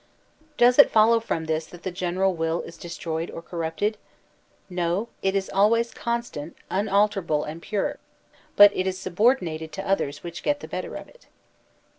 Does it follow from this that the general will is de stroyed or corrupted ? No; it is always constant, unalter able, and pure ; but it is subordinated to others which get the better of it.